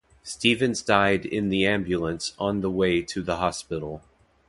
Stevens died in the ambulance on the way to the hospital.